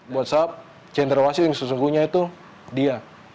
buat saya cendrawasi yang sesungguhnya itu dia